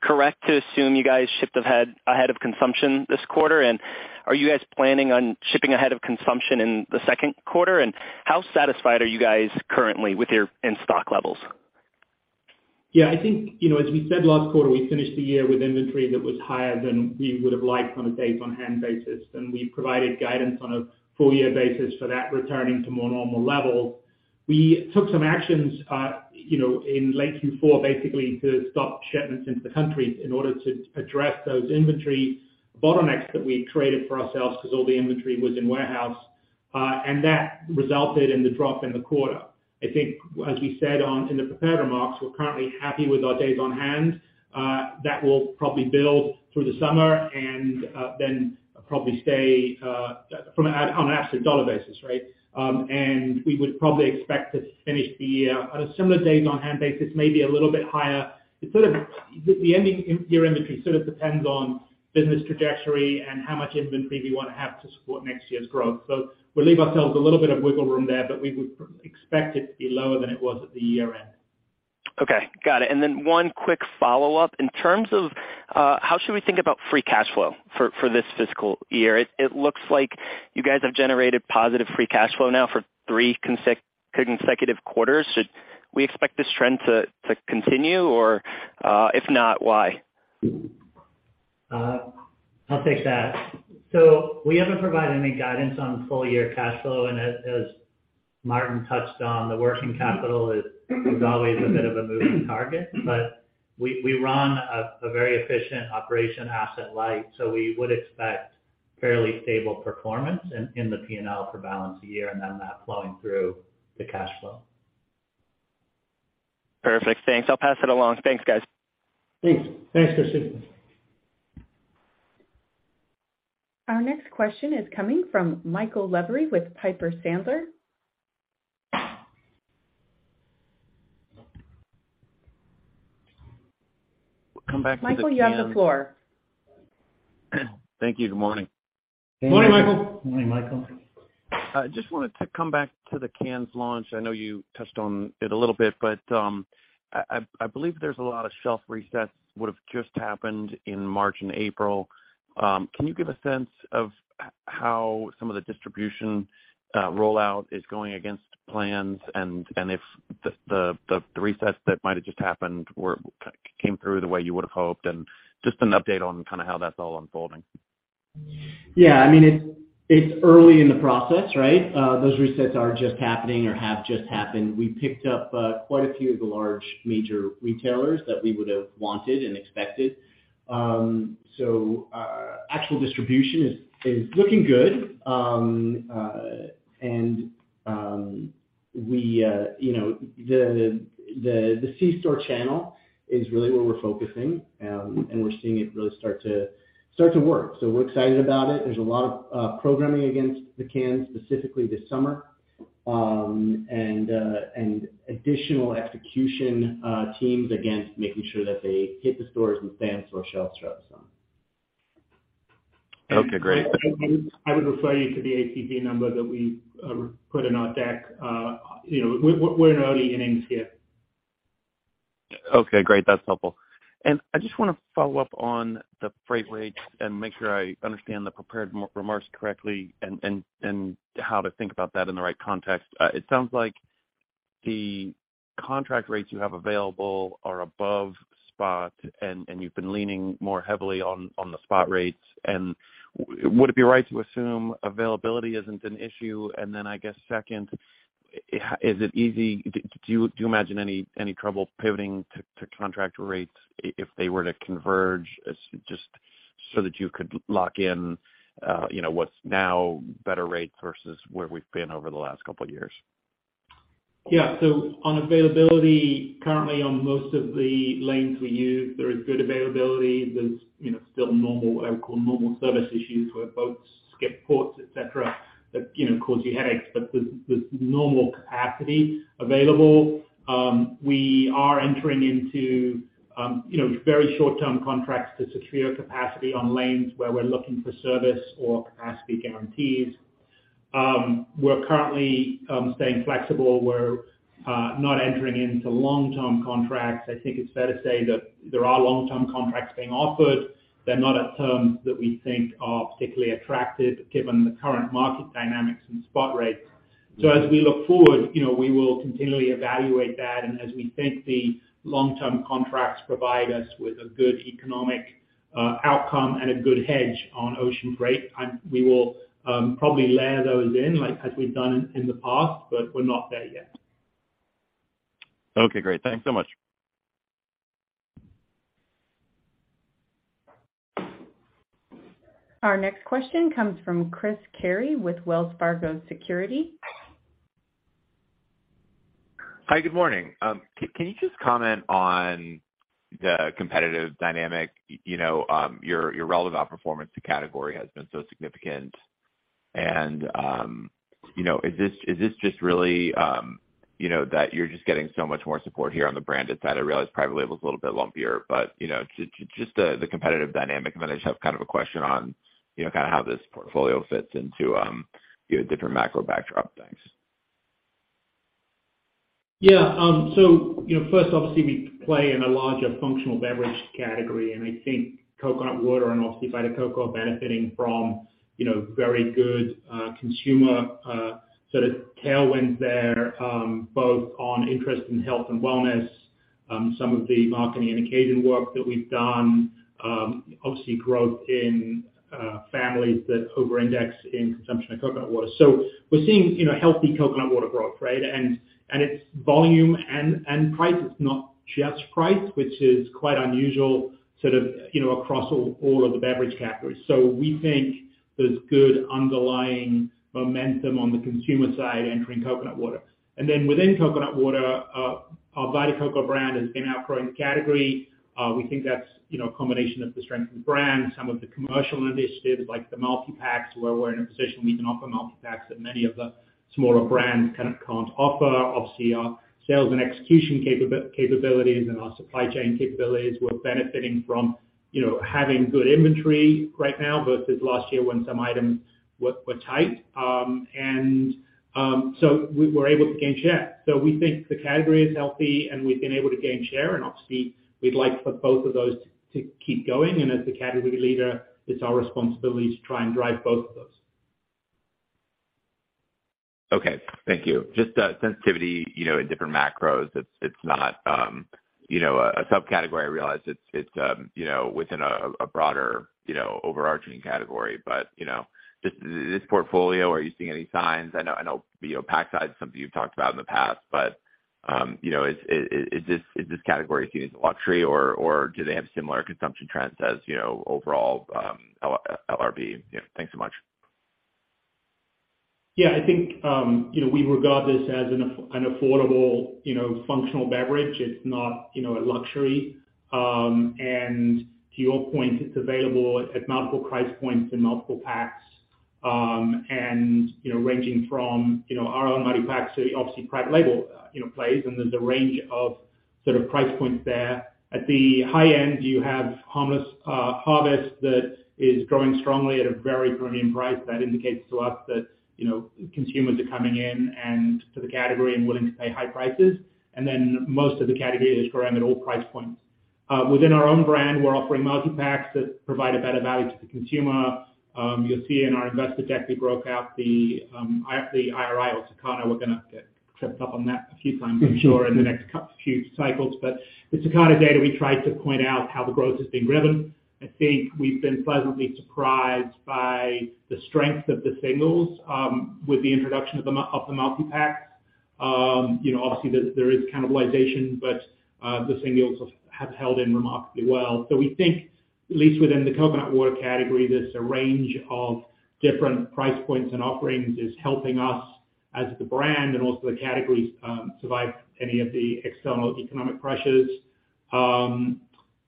Speaker 8: correct to assume you guys shipped ahead of consumption this quarter? Are you guys planning on shipping ahead of consumption in the second quarter? How satisfied are you guys currently with your in-stock levels?
Speaker 4: I think, you know, as we said last quarter, we finished the year with inventory that was higher than we would have liked on a days on hand basis, and we provided guidance on a full year basis for that returning to more normal levels. We took some actions, you know, in late Q4 basically to stop shipments into the country in order to address those inventory bottlenecks that we created for ourselves because all the inventory was in warehouse, and that resulted in the drop in the quarter. I think as we said in the prepared remarks, we're currently happy with our days on hand. That will probably build through the summer and then probably stay on an absolute dollar basis, right? We would probably expect to finish the year on a similar days on hand basis, maybe a little bit higher. The ending year inventory sort of depends on business trajectory and how much inventory we wanna have to support next year's growth. We leave ourselves a little bit of wiggle room there, but we would expect it to be lower than it was at the year-end.
Speaker 8: Okay. Got it. One quick follow-up. In terms of, how should we think about free cash flow for this fiscal year? It looks like you guys have generated positive free cash flow now for three consecutive quarters. Should we expect this trend to continue, or, if not, why?
Speaker 5: I'll take that. We haven't provided any guidance on full year cash flow. As Martin touched on, the working capital is always a bit of a moving target. We run a very efficient operation asset light, so we would expect fairly stable performance in the P&L for balance of the year and then that flowing through the cash flow.
Speaker 8: Perfect. Thanks. I'll pass it along. Thanks, guys.
Speaker 4: Thanks. Thanks, Christian.
Speaker 1: Our next question is coming from Michael Lavery with Piper Sandler.
Speaker 9: Come back to the can-
Speaker 1: Michael, you're on the floor.
Speaker 9: Thank you. Good morning.
Speaker 4: Morning, Michael.
Speaker 5: Morning, Michael.
Speaker 9: I just wanted to come back to the cans launch. I know you touched on it a little bit, but I, I believe there's a lot of shelf resets would've just happened in March and April. Can you give a sense of how some of the distribution rollout is going against plans and if the, the resets that might have just happened came through the way you would've hoped, and just an update on kinda how that's all unfolding?
Speaker 3: Yeah. I mean, it's early in the process, right? Those resets are just happening or have just happened. We picked up quite a few of the large major retailers that we would have wanted and expected. Actual distribution is looking good. We, you know, the C-store channel is really where we're focusing, and we're seeing it really start to work. We're excited about it. There's a lot of programming against the cans specifically this summer, and additional execution teams against making sure that they hit the stores and fans or shelf straps on.
Speaker 9: Okay, great.
Speaker 4: I would refer you to the APV number that we put in our deck. You know, we're in early innings here.
Speaker 9: Okay, great. That's helpful. I just wanna follow up on the freight rates and make sure I understand the prepared remarks correctly and how to think about that in the right context. It sounds like the contract rates you have available are above spot and you've been leaning more heavily on the spot rates. Would it be right to assume availability isn't an issue? Then I guess second, is it easy Do you imagine any trouble pivoting to contract rates if they were to converge as just so that you could lock in, you know, what's now better rates versus where we've been over the last couple of years?
Speaker 4: Yeah. On availability, currently on most of the lanes we use, there is good availability. There's, you know, still normal, what I would call normal service issues where boats skip ports, et cetera, that, you know, cause you headaches, but there's normal capacity available. We are entering into, you know, very short-term contracts to secure capacity on lanes where we're looking for service or capacity guarantees. We're currently staying flexible. We're not entering into long-term contracts. I think it's fair to say that there are long-term contracts being offered. They're not at terms that we think are particularly attractive given the current market dynamics and spot rates. As we look forward, you know, we will continually evaluate that. As we think the long-term contracts provide us with a good economic outcome and a good hedge on ocean rates, we will probably layer those in like as we've done in the past, but we're not there yet.
Speaker 9: Okay, great. Thanks so much.
Speaker 1: Our next question comes from Chris Carey with Wells Fargo Securities.
Speaker 10: Hi, good morning. Can you just comment on the competitive dynamic, you know, your relative outperformance to category has been so significant and, you know, is this just really, you know, that you're just getting so much more support here on the branded side? I realize private label is a little bit lumpier, but, you know, just the competitive dynamic. I just have kind of a question on, you know, kind of how this portfolio fits into, different macro backdrops. Thanks.
Speaker 4: Yeah. You know, first, obviously we play in a larger functional beverage category, and I think coconut water and obviously Vita Coco are benefiting from, you know, very good consumer sort of tailwinds there, both on interest in health and wellness, some of the marketing and occasion work that we've done, obviously growth in families that over-index in consumption of coconut water. We're seeing, you know, healthy coconut water growth, right? And, and it's volume and price. It's not just price, which is quite unusual, sort of, you know, across all of the beverage categories. We think there's good underlying momentum on the consumer side entering coconut water. Within coconut water, our Vita Coco brand has been outgrowing the category. We think that's, you know, a combination of the strength of the brand, some of the commercial initiatives like the multipacks, where we're in a position we can offer multipacks that many of the smaller brands kind of can't offer. Obviously, our sales and execution capabilities and our supply chain capabilities, we're benefiting from, you know, having good inventory right now versus last year when some items were tight. We're able to gain share. We think the category is healthy, and we've been able to gain share. Obviously, we'd like for both of those to keep going. As the category leader, it's our responsibility to try and drive both of those.
Speaker 10: Okay. Thank you. Just sensitivity, you know, in different macros, it's not, you know, a subcategory. I realize it's, you know, within a broader, you know, overarching category. You know, this portfolio, are you seeing any signs? I know, I know, you know, pack size is something you've talked about in the past, but, you know, is, is this, is this category seen as a luxury or do they have similar consumption trends as, you know, overall, LRB? Yeah, thanks so much.
Speaker 4: Yeah, I think, you know, we regard this as an affordable, you know, functional beverage. It's not, you know, a luxury. To your point, it's available at multiple price points and multiple packs, and, you know, ranging from, you know, our own multipack to obviously private label, you know, plays and then the range of sort of price points there. At the high end, you have Harmless Harvest that is growing strongly at a very premium price. That indicates to us that, you know, consumers are coming in and to the category and willing to pay high prices. Most of the category is growing at all price points. Within our own brand, we're offering multipacks that provide a better value to the consumer. You'll see in our investor deck, we broke out the IRI or Circana. We're gonna get tripped up on that a few times, I'm sure, in the next few cycles. The Circana data, we tried to point out how the growth has been driven. I think we've been pleasantly surprised by the strength of the singles, with the introduction of the multipacks. You know, obviously there is cannibalization, but the singles have held in remarkably well. We think, at least within the coconut water category, there's a range of different price points and offerings is helping us as the brand and also the categories survive any of the external economic pressures.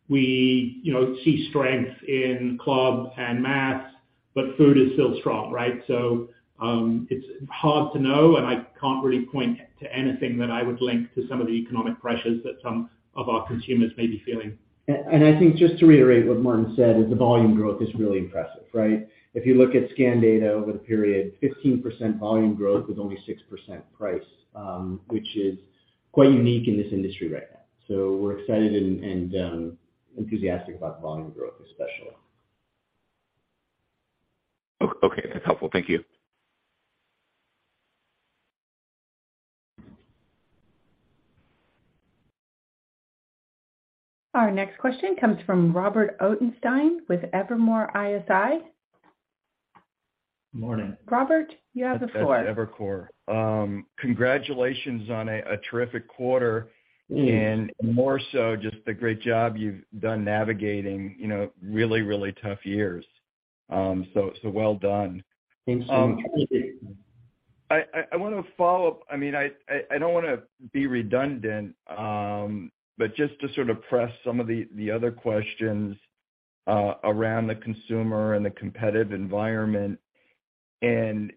Speaker 4: We, you know, see strength in club and mass, but food is still strong, right? It's hard to know, and I can't really point to anything that I would link to some of the economic pressures that some of our consumers may be feeling.
Speaker 3: I think just to reiterate what Martin said is the volume growth is really impressive, right? If you look at scan data over the period, 15% volume growth with only 6% price, which is quite unique in this industry right now. We're excited and enthusiastic about the volume growth especially.
Speaker 10: Okay, that's helpful. Thank you.
Speaker 1: Our next question comes from Robert Ottenstein with Evercore ISI.
Speaker 5: Morning.
Speaker 1: Robert, you have the floor.
Speaker 11: That's Evercore. Congratulations on a terrific quarter.
Speaker 5: Thanks.
Speaker 11: More so, just the great job you've done navigating, you know, really, really tough years. Well done.
Speaker 5: Thanks so much.
Speaker 11: I want to follow up. I mean, I don't want to be redundant, but just to sort of press some of the other questions, around the consumer and the competitive environment and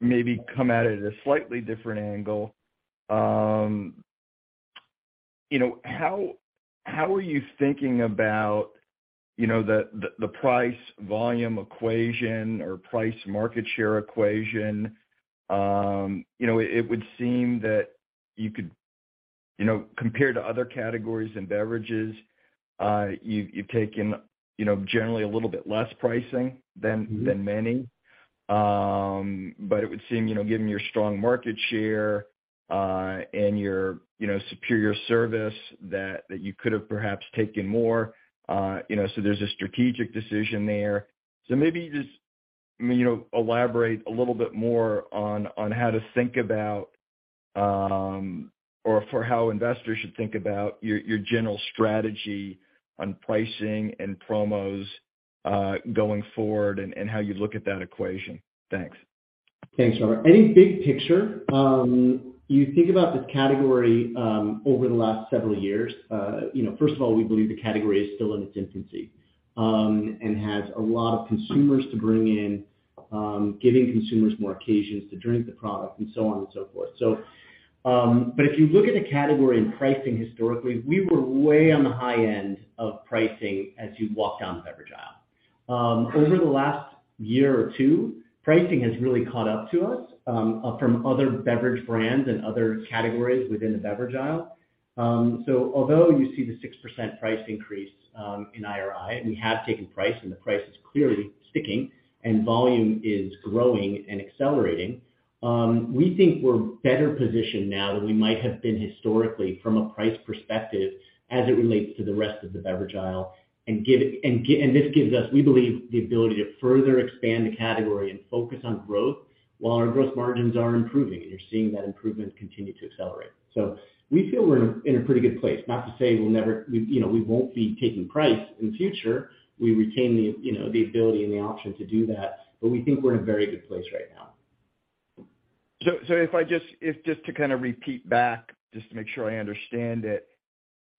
Speaker 11: maybe come at it at a slightly different angle. You know, how are you thinking about, you know, the price volume equation or price market share equation? You know, it would seem that you could. You know, compared to other categories and beverages, you've taken, you know, generally a little bit less pricing than many. It would seem, you know, given your strong market share, and your, you know, superior service that you could have perhaps taken more. You know, there's a strategic decision there. Maybe I mean, you know, elaborate a little bit more on how to think about, or for how investors should think about your general strategy on pricing and promos going forward and how you look at that equation. Thanks.
Speaker 3: Thanks, Robert. I think big picture, you think about this category over the last several years. You know, first of all, we believe the category is still in its infancy, and has a lot of consumers to bring in, giving consumers more occasions to drink the product and so on and so forth. If you look at the category and pricing historically, we were way on the high end of pricing as you walk down the beverage aisle. Over the last year or two, pricing has really caught up to us from other beverage brands and other categories within the beverage aisle. Although you see the 6% price increase in IRI, we have taken price, and the price is clearly sticking and volume is growing and accelerating. We think we're better positioned now than we might have been historically from a price perspective as it relates to the rest of the beverage aisle. This gives us, we believe, the ability to further expand the category and focus on growth while our growth margins are improving. You're seeing that improvement continue to accelerate. We feel we're in a, in a pretty good place. Not to say. We, you know, we won't be taking price in future. We retain the, you know, the ability and the option to do that, but we think we're in a very good place right now.
Speaker 11: If just to kind of repeat back, just to make sure I understand it.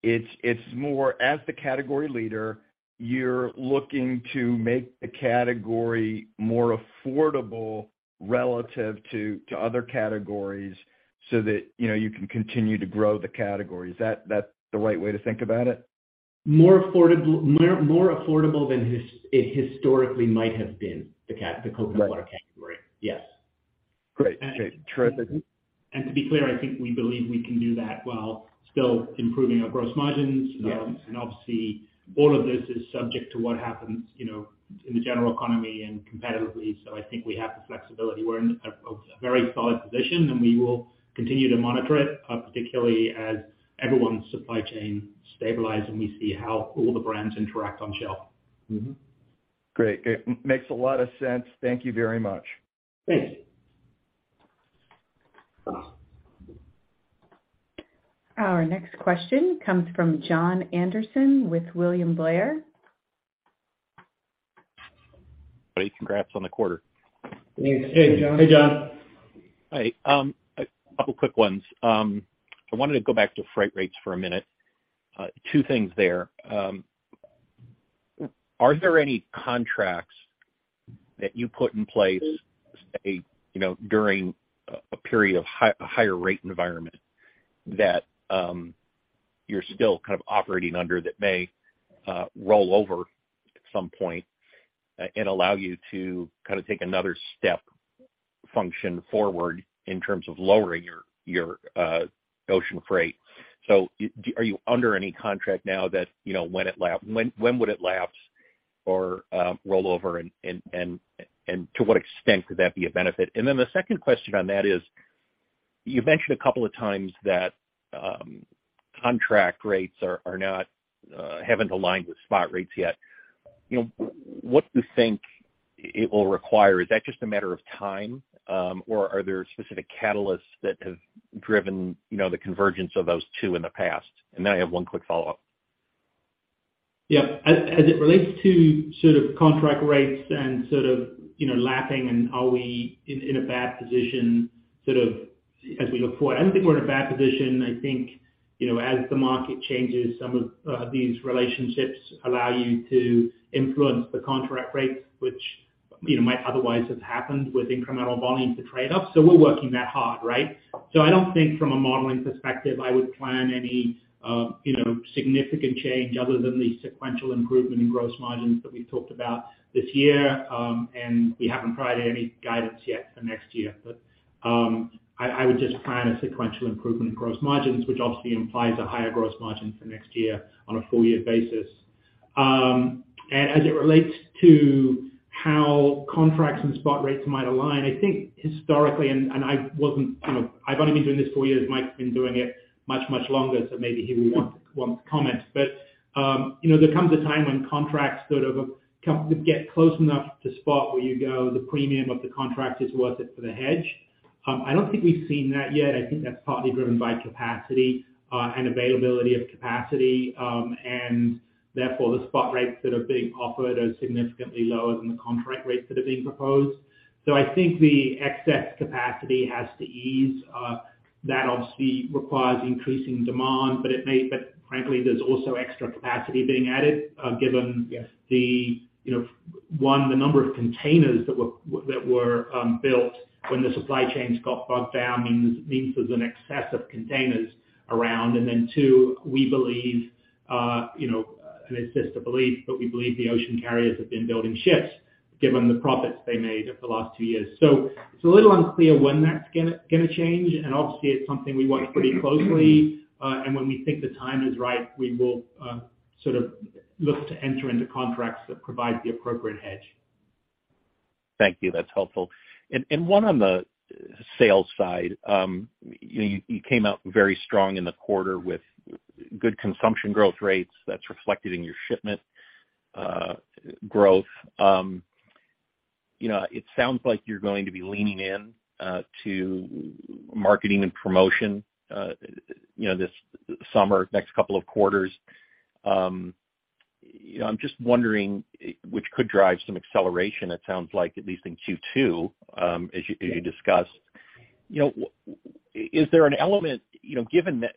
Speaker 11: It's more as the category leader, you're looking to make the category more affordable relative to other categories so that, you know, you can continue to grow the category. Is that the right way to think about it?
Speaker 3: More affordable, more affordable than it historically might have been, the coconut water category.
Speaker 11: Right.
Speaker 3: Yes.
Speaker 11: Great. Great. Terrific.
Speaker 3: To be clear, I think we believe we can do that while still improving our gross margins.
Speaker 11: Yes.
Speaker 4: Obviously all of this is subject to what happens, you know, in the general economy and competitively. I think we have the flexibility. We're in a very solid position, and we will continue to monitor it, particularly as everyone's supply chain stabilizes, and we see how all the brands interact on shelf.
Speaker 11: Mm-hmm. Great. Great. Makes a lot of sense. Thank you very much.
Speaker 4: Thanks.
Speaker 1: Our next question comes from Jon Andersen with William Blair.
Speaker 12: Hey, congrats on the quarter.
Speaker 4: Thanks.
Speaker 5: Hey, John.
Speaker 3: Hey, Jon.
Speaker 12: Hi. A couple quick ones. I wanted to go back to freight rates for a minute. Two things there. Are there any contracts that you put in place, say, you know, during a period of higher rate environment that you're still kind of operating under that may roll over at some point and allow you to kind of take another step function forward in terms of lowering your ocean freight? So are you under any contract now that, you know, when would it lapse or roll over and to what extent could that be a benefit? The second question on that is, you've mentioned a couple of times that contract rates are not haven't aligned with spot rates yet? You know, what do you think it will require? Is that just a matter of time, or are there specific catalysts that have driven, you know, the convergence of those two in the past? Then I have one quick follow-up.
Speaker 4: Yeah. As it relates to sort of contract rates and sort of, you know, lapping and are we in a bad position sort of as we look forward, I don't think we're in a bad position. I think, you know, as the market changes, some of these relationships allow you to influence the contract rates, which, you know, might otherwise have happened with incremental volumes to trade up. We're working that hard, right? I don't think from a modeling perspective, I would plan any, you know, significant change other than the sequential improvement in gross margins that we've talked about this year. We haven't provided any guidance yet for next year. I would just plan a sequential improvement in gross margins, which obviously implies a higher gross margin for next year on a full year basis. As it relates to how contracts and spot rates might align, I think historically, and I wasn't I've only been doing this four years. Mike's been doing it much, much longer, so maybe he would want to comment. You know, there comes a time when contracts sort of get close enough to spot where you go, the premium of the contract is worth it for the hedge. I don't think we've seen that yet. I think that's partly driven by capacity, and availability of capacity. Therefore, the spot rates that are being offered are significantly lower than the contract rates that are being proposed. I think the excess capacity has to ease. That obviously requires increasing demand, but frankly, there's also extra capacity being added, given the, you know, one, the number of containers that were built when the supply chains got bogged down means there's an excess of containers around. Then two, we believe, you know, and it's just a belief, but we believe the ocean carriers have been building ships given the profits they made over the last two years. It's a little unclear when that's gonna change. Obviously, it's something we watch pretty closely. When we think the time is right, we will sort of look to enter into contracts that provide the appropriate hedge.
Speaker 12: Thank you. That's helpful. One on the sales side. You came out very strong in the quarter with good consumption growth rates that's reflected in your shipment growth. You know, it sounds like you're going to be leaning in to marketing and promotion, you know, this summer, next couple of quarters. You know, I'm just wondering which could drive some acceleration, it sounds like, at least in Q2, as you discussed. You know, is there an element, you know, given that,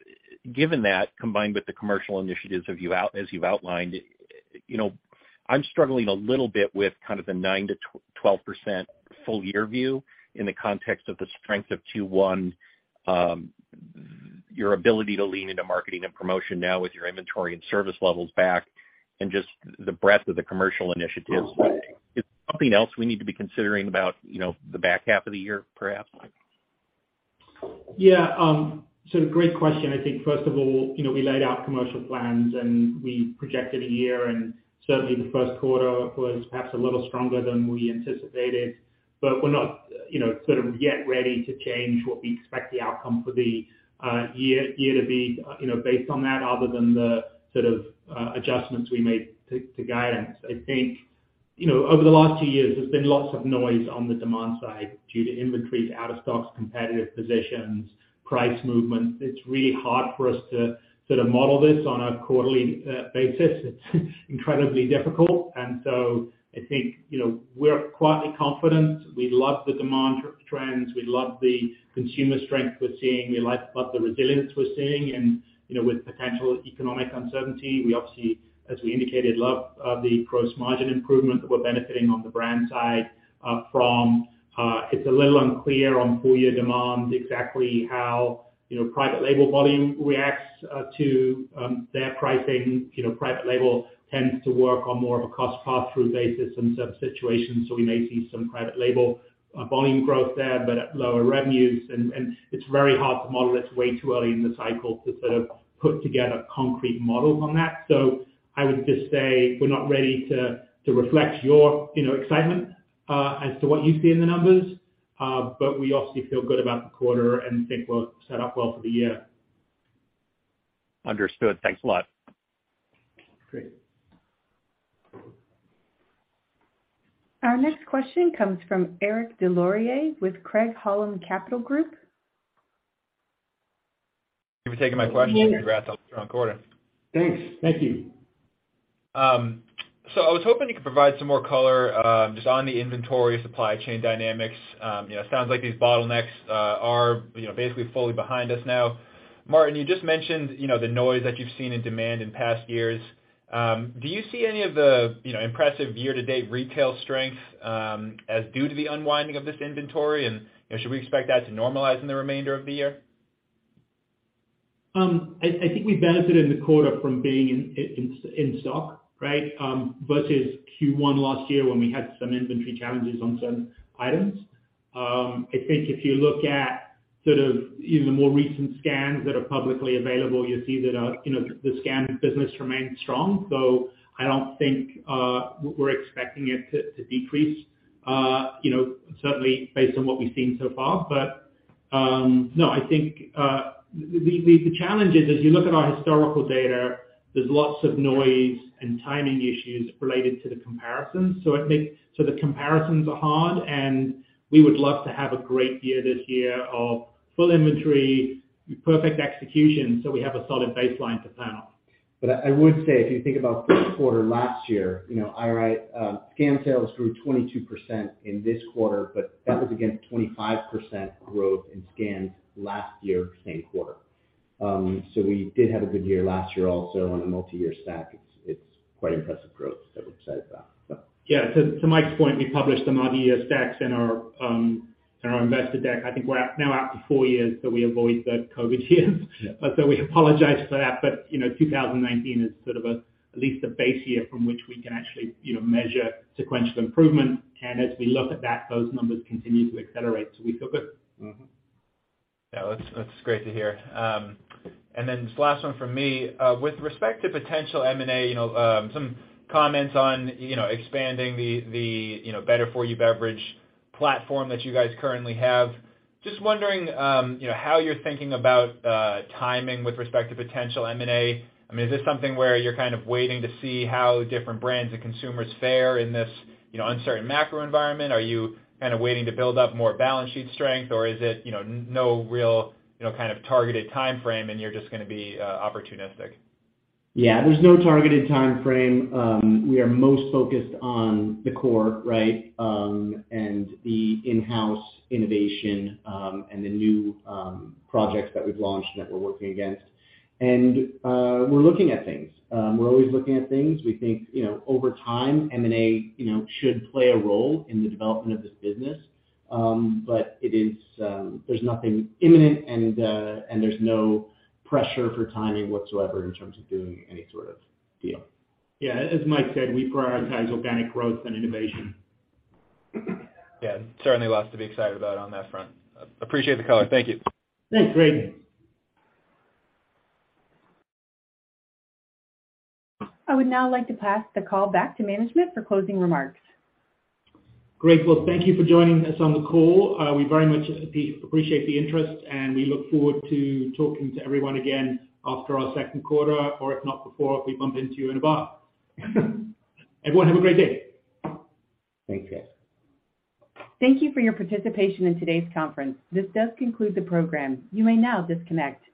Speaker 12: given that, combined with the commercial initiatives of you as you've outlined, you know, I'm struggling a little bit with kind of the 9%-12% full year view in the context of the strength of Q1, your ability to lean into marketing and promotion now with your inventory and service levels back and just the breadth of the commercial initiatives? Is there something else we need to be considering about, you know, the back half of the year, perhaps?
Speaker 4: Great question. I think, first of all, you know, we laid out commercial plans and we projected a year. Certainly the first quarter was perhaps a little stronger than we anticipated. We're not, you know, sort of yet ready to change what we expect the outcome for the year to be, you know, based on that other than the sort of adjustments we made to guidance. I think, you know, over the last two years, there's been lots of noise on the demand side due to inventories, out of stocks, competitive positions, price movements. It's really hard for us to sort of model this on a quarterly basis. It's incredibly difficult. I think, you know, we're quietly confident. We love the demand trends, we love the consumer strength we're seeing, we like the resilience we're seeing. You know, with potential economic uncertainty, we obviously, as we indicated, love the gross margin improvement that we're benefiting on the brand side from. It's a little unclear on full year demand exactly how, you know, private label volume reacts to their pricing. You know, private label tends to work on more of a cost pass-through basis in some situations. We may see some private label volume growth there, but at lower revenues. It's very hard to model. It's way too early in the cycle to sort of put together concrete models on that. I would just say we're not ready to reflect your, you know, excitement as to what you see in the numbers, but we obviously feel good about the quarter and think we're set up well for the year.
Speaker 12: Understood. Thanks a lot.
Speaker 4: Great.
Speaker 1: Our next question comes from Eric Des Lauriers with Craig-Hallum Capital Group.
Speaker 13: Thank you for taking my question. Congrats on a strong quarter.
Speaker 4: Thanks. Thank you.
Speaker 13: I was hoping you could provide some more color, just on the inventory supply chain dynamics. You know, it sounds like these bottlenecks, are, you know, basically fully behind us now. Martin, you just mentioned, you know, the noise that you've seen in demand in past years. Do you see any of the, you know, impressive year-to-date retail strength, as due to the unwinding of this inventory? You know, should we expect that to normalize in the remainder of the year?
Speaker 4: I think we benefited in the quarter from being in stock, right? Versus Q1 last year when we had some inventory challenges on certain items. I think if you look at sort of even the more recent scans that are publicly available, you'll see that, you know, the scan business remains strong. I don't think we're expecting it to decrease, you know, certainly based on what we've seen so far. No, I think the challenge is as you look at our historical data, there's lots of noise and timing issues related to the comparisons. The comparisons are hard, and we would love to have a great year this year of full inventory, perfect execution, so we have a solid baseline to plan on.
Speaker 3: I would say if you think about first quarter last year, you know, IRI, scan sales grew 22% in this quarter, but that was against 25% growth in scans last year, same quarter. We did have a good year last year also on a multi-year stack. It's quite impressive growth that we're excited about.
Speaker 4: Yeah. To Mike's point, we published some odd year stacks in our in our investor deck. I think we're now out to four years, so we avoid the COVID years.
Speaker 3: Yeah.
Speaker 4: We apologize for that. You know, 2019 is sort of a at least a base year from which we can actually, you know, measure sequential improvement. As we look at that, those numbers continue to accelerate, so we feel good.
Speaker 3: Mm-hmm.
Speaker 13: Yeah, that's great to hear. Then this last one from me. With respect to potential M&A, you know, some comments on, you know, expanding the, you know, Better For You beverage platform that you guys currently have, just wondering, you know, how you're thinking about timing with respect to potential M&A, I mean, is this something where you're kind of waiting to see how different brands and consumers fare in this, you know, uncertain macro environment? Are you kind of waiting to build up more balance sheet strength, or is it, you know, no real, you know, kind of targeted timeframe and you're just gonna be opportunistic?
Speaker 3: Yeah, there's no targeted timeframe. We are most focused on the core, right? And the in-house innovation, and the new projects that we've launched that we're working against. We're looking at things. We're always looking at things. We think, you know, over time, M&A, you know, should play a role in the development of this business. But it is, there's nothing imminent and there's no pressure for timing whatsoever in terms of doing any sort of deal.
Speaker 4: Yeah. As Mike said, we prioritize organic growth and innovation.
Speaker 13: Yeah, certainly lots to be excited about on that front. Appreciate the color. Thank you.
Speaker 4: Thanks, great.
Speaker 1: I would now like to pass the call back to management for closing remarks.
Speaker 4: Well, thank you for joining us on the call. We very much appreciate the interest, and we look forward to talking to everyone again after our second quarter, or if not before, if we bump into you in a bar. Everyone, have a great day.
Speaker 5: Thanks, guys.
Speaker 1: Thank you for your participation in today's conference. This does conclude the program. You may now disconnect.